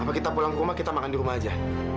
kalau kita pulang ke rumah kita makan di rumah aja